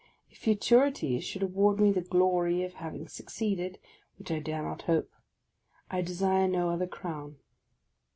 If futurity should award me the glory of having succeeded, — which I dare not hope, — I desire no other crown.